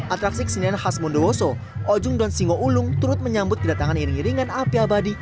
atraksi kesenian khas bondowoso ojung dan singo ulung turut menyambut kedatangan iring iringan api abadi